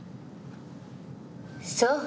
そう。